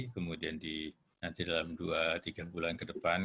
kemudian nanti dalam dua tiga bulan ke depan